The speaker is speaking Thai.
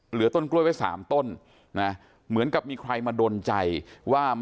ต้นกล้วยไว้สามต้นนะเหมือนกับมีใครมาดนใจว่า